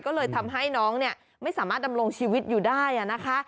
ก็เลยทำให้น้องเนี่ยไม่สามารถดำรงชีวิตอยู่ได้นะคะ